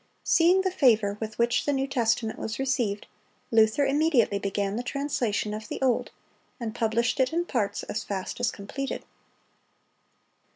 Seeing the favor with which the New Testament was received, Luther immediately began the translation of the Old, and published it in parts as fast as completed.